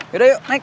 yaudah yuk naik